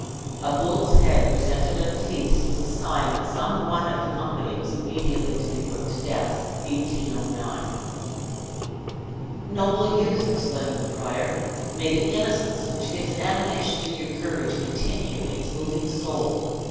A bull's head, presented at a feast, was a sign that some one of the company was immediately to be put to death. (1809.) "Noble youth!" exclaimed the prior, "may the innocence which gives animation to your courage, continue its moving soul!